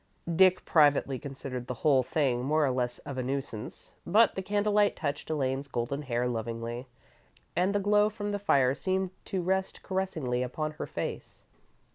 Dick privately considered the whole thing more or less of a nuisance, but the candlelight touched Elaine's golden hair lovingly, and the glow from the fire seemed to rest caressingly upon her face.